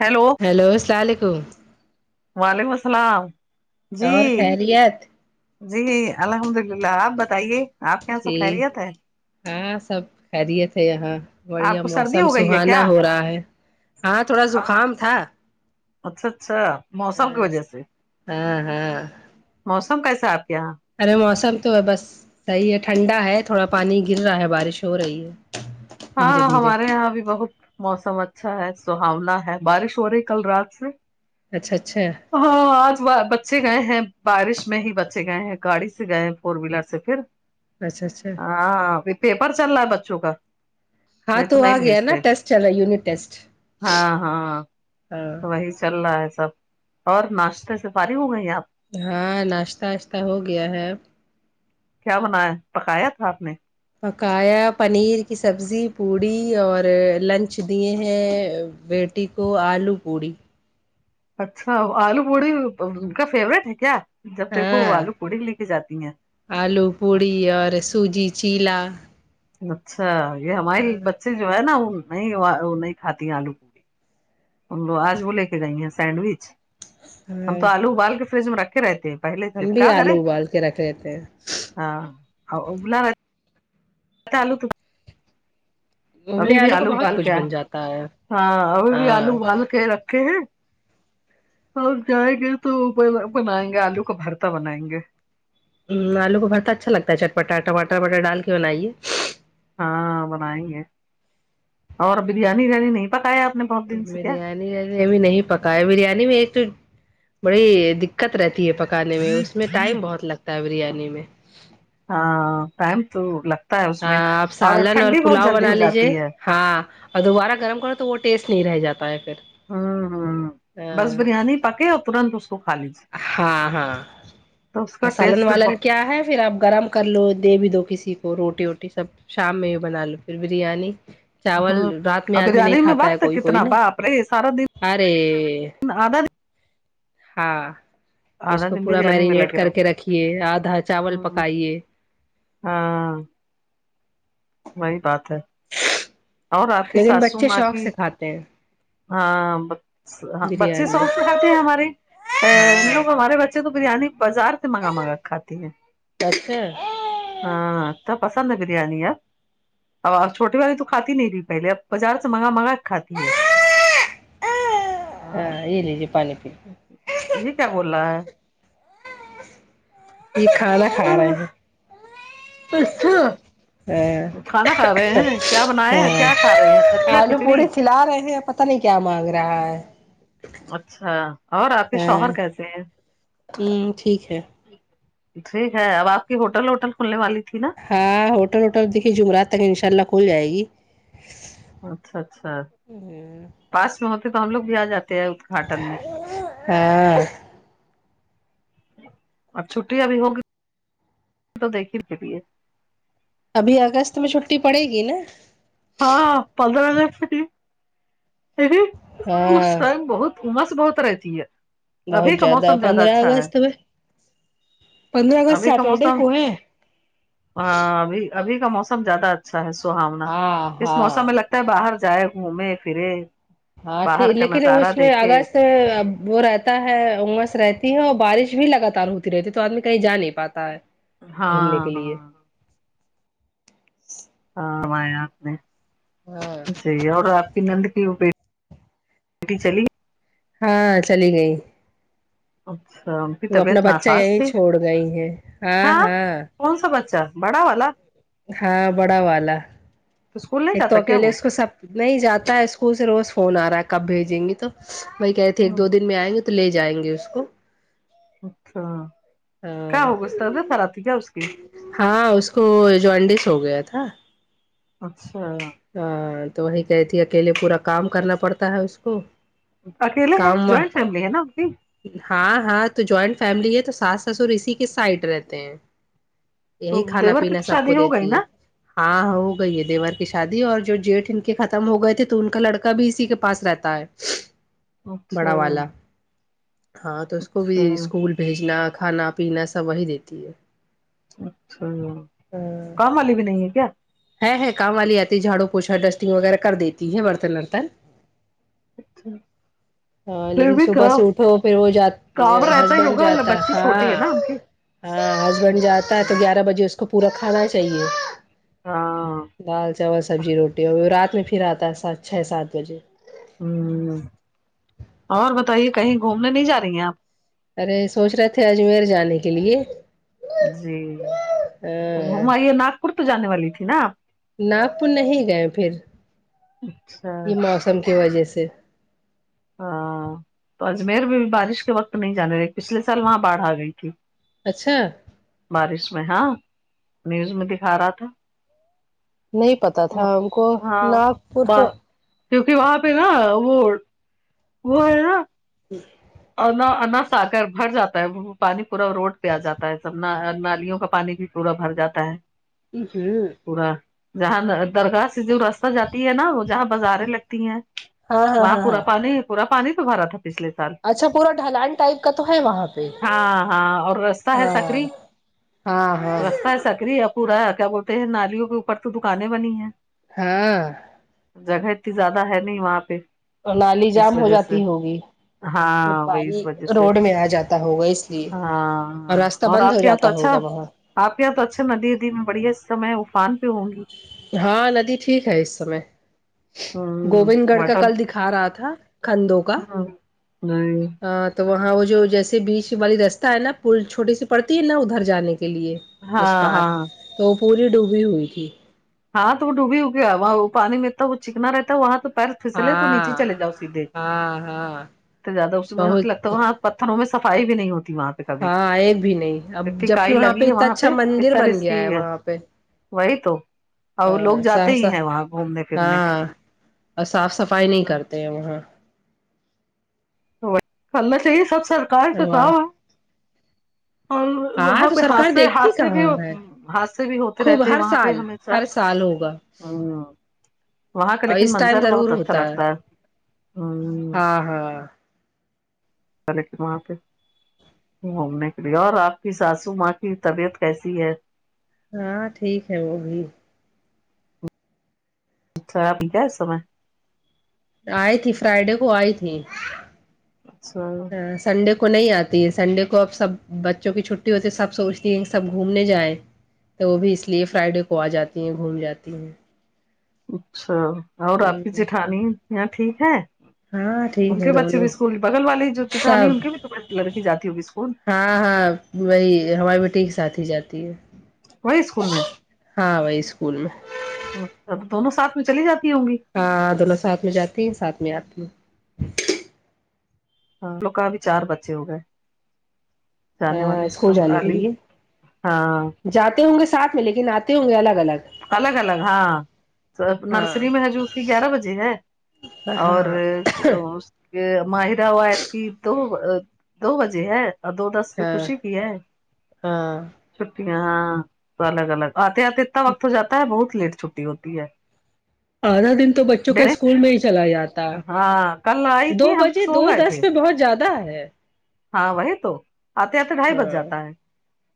hello hello السلام علیکم وعلیکم السلام جی اور خیریت جی الحمد للہ آپ بتائیے آپ کے سب ٹھیک خیریت ہے ہاں سب خیریت ہے یہاں آپ بڑھیا کو سردی موسم ہو گئی ہے کیا سہانا ہو رہا ہے ہاں تھوڑا زکام تھا اچھا اچھا موسم کی ہاں وجہ سے ہاں ہاں موسم کیسا ہے آپ کے یہاں ارے موسم تو ہے بس صحیح ہے ٹھنڈا ہے تھوڑا پانی گر رہا ہے بارش ہو رہی ہے دھیرے ہاں دھیرے ہمارے یہاں بھی بہت موسم اچھا ہے سہاونا ہے بارش ہو رہی کل رات سے اچھا اچھا ہاں آج بچے گئے ہیں بارش میں ہی بچے گئے ہیں گاڑی سے گئے ہیں فور ویلر سے پھر اچھا اچھا ہاں پیپر چل رہا ہے بچوں کا ہاں نہیں تو توو نہیں آگے نا بھیجتے ٹسٹ یونٹ ٹیسٹ ہاں ہاں ہاں تو وہی چل رہا ہے سب اور ناشتے سے فاری ہو گئی آپ ہاں ناشتہ واشتہ ہو گیا ہے کیا بنایا پکایا تھا آپ نے پکایا پنیر کی سبزی پوڑی اور لنچ دیے ہیں وٹ ٹیکو آلو پوڑی اچھا آلو پوڑی ان کا فیوریٹ ہے کیا جب دیکھو ہاں آلو پوڑی لے کے جاتی ہیں آلو پوڑی اور سوجی چیلا اچھا یہ ہماریے بچے جو ہے نا وہ نہیں نہیں کھاتی آلو پوڑی ہم لو آج وہ لے کے گئی ہیں سینڈوچ ہم ہاں تو آلو ابال کے فریج میں رکھے رہتے پہلے ہم سے بھی کیا کریں آلو ابال کے رکھ لیتے ہیں ہاں ہو ابلا ہوا آ آلو تا ابھی ابلے بھی کا آلو بہت ابال کچھ کے بن جاتا ہے ہاں ابھی بھی ہاں آلو ابال کے رکھے ہیں اور جائیں گے تو بنائیں گے آلو کا بھرتا بنائیں گے آلو کو بھرتا اچھا لگتا ہے چٹپٹا ٹاٹر وٹر ڈال کے بنائیے ہاں بنائیں گے اور بریانی بریانی نہیں پکایا آپ نے بہت دن سے کیا بریانی ابھی نہیں پکایا بریانی میں ایک تو بڑی د دقت رہتی ہے پکانے میں اس میں ٹائم بہت لگتا ہے بریانی میں ہاں ٹائم تو لگتا ہے اس ہ میں آپ سالن اور ٹھنڈی بہت پلاؤ جلدی بنا ہو لیجیے جاتی ہے ہاں اور دوبارہ گرم کرو تو وہ ٹیسٹ نہیں رہ جاتا ہے پھر ہوں ہوں بس بریانی پکے اور ترنت اس کو کھا لیجیے ہاں ہاں تو اس کا سالن ٹیسٹ والن بہت- کیا ہے پھر اب گرم کر لو دے بھی دو کسی کو روٹی ووٹی سب شام میں یہ بنا لو پھر بریانی چاول ہوں رات میں اور آدمی بریانی نہیں میں کھاتا ہے وقت کوئی کوئی کتنا نا باپ رے سارا دن ارے [unintelligible] ہاں اس آدھا کو دن پورا بریانی میں میرینیٹ لگے کر رہو کے رکھیے آدھا چاول ہوں پکائیے ہاں وہی بات ہے اور آپ کی لیکن ساسو بچے ماں شوق کی [unintelligible] ہاں بچے بریانی شوق سے کھا تے ہمارے ا ان ہاں لوگ ہمارے بچے تو بریانی بازار سے منگا منگا کے کھاتی ہیں اچھا ہاں تو پسند ہے بریانی ہاں اب چھوٹی والی تو کھاتی نہیں تھی پہلے اب بازار سے منگا منگا کے کھا تی ہے ہاں یہ لیجیے پانی پی یہ کیا بول رہا ہے یہ کھانا کھا رہے ہیں اچھا ہ کھانا کھا رہے ہیں کیا ہ بنایا کیا کھا رہے ہیں دلیا آلو کھچڑی پوڑی کھلا رہے ہیں پن پتا نہیں کیا مانگ رہا ہے اچھا اور آپ کے ہاں شوہر کیسے ہیں ہ ٹھیک ہے ٹھیک ہے اب آپ کی ہوٹل وٹل کھلنے والی تھی نا ہاں ہوٹل وٹل دیکھیے جمعرات تک ان شاء اللہ کھل جائے گی اچھا اچھا پاس میں ہوتے تو ہم لوگ بھی آ جاتے تھے آودگھاٹن میں ہاں اب چھٹی ا بھی ہوگی تو دیکھیں گے بھی یہ ابھی اگست میں چھٹی پڑے گی نا ہاں پندرہ اگست [unintelligible] اس ہاں ٹائم بہت امس بہت رہتی ہے ابھی بہت کا موسم زیادہ پندرہ اچھا ہے اگست میں پندرہ اگست ابھی کا سیٹرڈے موسم کو ہے ہاں ابھی ابھی کا موسم زیادہ اچھا ہے سہوانا ہاں ہاں لگتا ہے باہر جائے گھومے پھرے ہاں باہر ٹھیک کا لیکن نظارہ اس میں دیکھے اگسٹ اب وہ رہتا ہے امس رہتی ہے اور بارش بھی لگاتار ہوتی رہتی ہے تو آدمی کہیں جا نہیں پاتا ہے گھومنے ہاں کے ہاں لیے ہاں آپ نے ہاں اور اب [unintelligible] ایک نند کی وہ بے بیٹی چلی گئی ہاں چلی گئی اچھا کی وہ اپنا طبیعت بچہ ناساز یہیں تھی چھوڑ گئی ہے ہاں ہاں کون سا بچہ بڑا والا ہاں بڑا والا اسکول نہیں ایک تو جاتا کیا اکیلے وہ اس کو سب نہیں جاتا ہے اسکول سے روز فون آ رہا ہے کب بھیجیں گی تو وہی کہے تھے ایک ہوں، دو دن میں آئیں گے تو لے جائیں گے اس کو اچھا کیا ہاں ہوا اس ط طبعیت خراب تھی کیا اس کی ہاں اس کو جوانینڈس ہو گیا تھا اچھا ہاں تو وہی کہتی اکیلے پورا کام کرنا پڑتا ہے اس کو اکیلے ہیں کام جوائنٹ فیملی ہے نا ان کی ہاں ہاں تو جوائنٹ فیملی ہے تو ساس سسر اسی کے سائڈ رہتے ہیں یہی تو کھانا دیور کی پینا تو سب کو شادی ہو گئی دیتی نا ہے ہاںاں ہو گئی ہے دیور کی شادی اور جو جیٹ ان کے ختم ہو گئے تھے تو ان کا لڑکا بھی اسی کے پاس رہتا ہے اچھا بڑا والا ہاں تو اس کو بھی اچھا اسکول بھیجنا کھانا پینا سب وہی دیتی ہے اچھا کام والی بھی نہیں ہے کیا ہے ہے کام والی آتی ہے جھاڑوں پوچا ڈسٹنگ وغیرہ کر دیتی ہے برتن ورتن اچھا ہاں لیکن صبح سے اٹھو پھر وہ جات کام رہتا ہی ہسبینڈ ہوگا جاتا بچی ہاں چھوٹی ہے نا ان کی ہاں ہسبینڈ جاتا ہے تو گیارہ بجے اس کو پورا کھانا چاہیے ہاں دال چاول سبزی روٹی اور رات میں پھر آتا ہے سات چھ سات بجے ہم اور بتائیے کہیں گھومنے نہیں جا رہی ہیں آپ ارے سوچ رہے تھے اجمیر جانے کے لیے جی ہم یہ ناگپور تو جانے والی تھی نا ناگپور نہیں گئے پھر اچھا یہ موسم کی وجہ سے ہاں تو اجمیر بھی بارش کے وقت نہیں جانے رہے پچھلے سال وہاں باڑھ آ گئی تھی اچھا بارش میں ہاں نیوز میں دکھا رہا تھا نہیں پتا تھا ہم کو ہاں ناگپور تو بات کیونکہ وہاں پہ نا وہ وہ ہے نا ہم اور نہ اناج آ کر بھر جاتا ہے وہ پانی پورا روڈ پہ آ جاتا ہے سب نالیوں کا پانی بھی پورا بھر جاتا ہے اوں ہوں پورا جہاں درخاست جو راستہ جاتی ہے نا وہ جہاں بازاریں لگتی ہیں ہاں ہاں وہاں ہاں پورا ہاں پانی پورا پانی س بھرا تھا پچھ لے سال اچھا پورا ڈلان ٹائپ کا تو ہے وہاں کا ہاں ہاں اور رستہ ہے سکری ہاں ہاں رستہ ہے سکری یا پورا کیا بولتے ہیں نالیوں کے اوپر تو دکانیں بنی ہے ہاں جگہ اتنی زیادہ ہے نہیں وہاں پہ اور نالی اس جام ہو وجہ سے جاتی ہوگی پھر ہاں وہی پانی اس وجہ سے روڈ میں آ جاتا ہوگا اس لیے ہاں اور ہاں راستہ بند آپ ہو کے یہاں تو جاتا اچھا ہوگا وہاں آپ یہاں تو اچھا ندی ندی میں بڑھیا اس میں افان پہ ہوں ہاں ندی ٹھیک ہے اس سمے ہوں گووند گڑھ کا واٹر کل دکھا رہا تھا کندوں کا نئی ہاں تو وہاں وہ جو جیسے بیچ والی رستہ ہے نا پل چھوٹی سی پڑتی ہے نا ادھر جانے کے لیے اس ہاں پار ہاں تو وہ پوری ڈوبی ہوئی تھی ہاں تو وہ ڈوبی ہو گیا وہاں وہ پانی میںتتا وہ چکنا رہتا وہاں تو پیر پھسلے تو نیچے ہاں چلے جاؤ سیدھے ہاں ہاں تو زیادہ اس بہت لگتااں پتھروں میں صفائی بھی نہیں ہوتی وہاں کبھی ہاں ایک بھی نہیں اب انی جبک کاائی لگی ہے اتنا وہاں پہ اچھا ا مندر طر اس بن کی گیا ہے وہاں پہ وہی تو اور لوگ ہاں جاتے صاف ہی صاف ہیں وہاں گھومنے پھرنے ہاں اور صاف صفائی نہیں تو کرتے ہیں وہاں تو کرنا چاہیے سب سرکار تو واہ کام اور ہاں وہاں تو پہ سرکار حادثے دیکھتی حادثے بھی کہاں ہے حادثے بھی ہوتے خوب رہتے ہیں ہر وہاں پہ سال ہمیشہ ہر سال ہوگا ہوں وہاں کا اور لیکن اس ٹائم منظر ضرور بہت اچھا ہوتا لگتا ہے ہوں ہاں ہاں چلے کے وہاں پہ گھومنے کے لیے اور آپ کی ساسو ماں کی طبیعت کیسی ہے ہاں ٹھیک ہے وہ بھی اچھا [unintelligible] ہے اس سمے آئی تھی فرائیڈے کو آئی تھی اچھا ا سنڈے کو نہیں آتی ہے سنڈے کو اب سب بچوں کی چھٹی ہوتی ہے سب سوچتی ہے کہ سب گھومنے جائیں تو وہ بھی اس لیے فرائیڈے کو آ جاتی ہیں گھوم جاتی ہیں اچھا اور آپ کی ہوں، جٹھانی یہاں ٹھیک ہے ہاں ان ٹھیک ہے کے بچے بھی دونوں اسکول بغل والی جو چٹھانی سب ان کے بھی لڑکی جاتی ہوگی اسکول ہاں ہاں وہی ہماری بیٹی کے ساتھ ہی جاتی ہے وہی اسکول میں ہاں وہی اسکول میں اب دونوں ساتھ میں چلی جاتی ہوں گی ہاں دونوں ساتھ میں جاتی ہیں ساتھ میں آتی ہیں ہاں لوک کا بھی چار بچے ہو گئے جانے ہاں والے اسکول ہم جانے کے لیے ہاں جاتے ہوں گے ساتھ میں لیکن آتے ہوں گے الگ الگ الگ الگ ہاں ہاں نرسری میں جو اس کی گیارہ بجے ہے اور ہاں کہ ماہرہ اور آیت کی تو دو دو بجے ہے اور دو دس اس پ ہاں خوشی کی ہے ہاں چھٹیاں ہاں تو الگ الگ آتے آتے اتنا وقت ہو جاتا ہے بہت لیٹ چھٹی ہوتی ہے آدھا دن تو بچوں کا ڈیڑھ، اسکول میں ہی چلا جاتا ہاں کل آئی دو تھی ہم بجے سو دو گئے دس تھے پہ بہت زیادہ ہے ہاں وہی تو آتے آتے ڈھائی بج ہاں جاتا ہے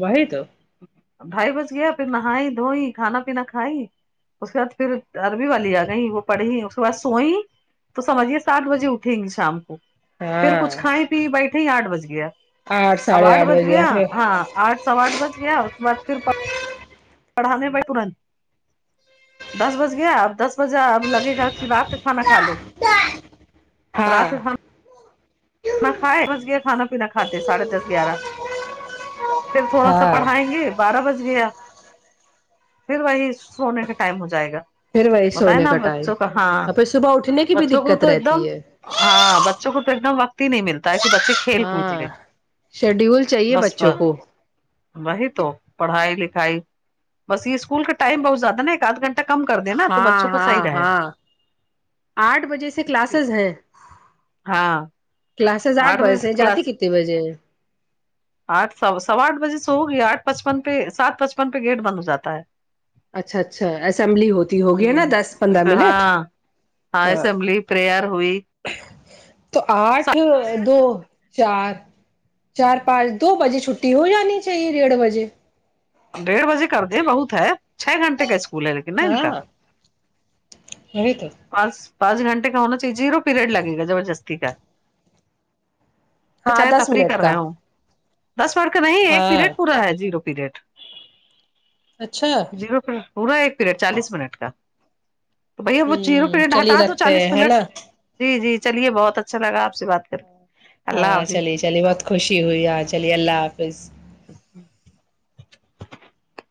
وہی تو ڈھائی بج گیا پھر نہائی دھوئی کھانا پینا کھائی اس کے بعد پھر عربی والی آ گئی وہ پڑھی اس کے بعد سوئی تو سمجھیے سات بجے اٹھیں گے شام کو پھر ہاں کچھ کھائے پی بیٹھے ہی آٹھ بج گیا اب ساڑھے آٹھ بج گیا بجے پھر ہاں آٹھ سوا آٹھ بج گیا اس کے بعد پھر پڑھانے ب ترنت دس بج گیا اب دس بجے اب لگے گا کہ رات کھانا کھا لو ہاں رات کا کھانا میں کھائے بس گیا کھانا پینا کھاتے ساڑھ دس گیارہ پھر تھوڑا سا ہاں پڑھائیں گے بارہ بج گیا پھر وہی سونے کا ٹائم ہو جائے گا پھر وہی بتائے سونے نا کا ٹائم بچوں کا ہاں اور پھر صبح اٹھنے کی بھی بچوں کو دقت تو ایک دم رہتی ہے ہاں بچوں کو تو ایک دم وقت ہی نہیں ملتا ہے کہ بچے کھیل کود ہاں لیں شیڈیول چاہیے بس بچوں کو وہی تو پڑھائی لکھائی بس یہ اسکول کا ٹائم بہت زیادہ نا ایک آدھ گھنٹہ کم کر دینا تو ہاں بچوں کو ہاں صحیح ہاں آٹھ بجے سے رہے کلاسز ہے ہاں کلاسز آٹھ بجے سے جاتی کتنے بجے ہے آٹھ سو سوا آٹھ بجے سے ہوگی آٹ پچپن پہ سات پچپن پہ گیٹ بند ہو جاتا ہے اچھا اچھا اسمبلی ہوتی ہوگی ہے نا دس پندرہ منٹ ہاں ہاں اسمبلی پریئر ہوئی تو آٹھ دو چار چار پانچ دو بجے چھٹی ہو جانی چاہیے ڈیڑھ بجے ڈیڑھ بجے کر دیں بہت ہے چھ گھنٹے کا اسک ہاں وہی تو پانچ پانچ گھنٹے کا ہونا چاہیے زیرو پیریڈ لگے گا زبردستی کا ہاں چاہے دس تفریح منٹ کر کا رہے ہوں دس منٹ کے نہیں ایک ہاں پیریڈ پورا ہے زیرو پیریڈ اچھا جیرو پ پورا ایک پیریڈ چالیس منٹ کا تو بھیا وہ جیرو ہوں پیریڈ چلیے ہٹا دو رکھتے چالیس ہیں ہے منٹ نا جی جی چلیے بہت اچھا لگا آپ سے بات کر کے اللہ ہاں حافظ چلیے چلیے بہت خوشی ہوئی ہاں چلیے اللہ حافظ [unintelligible]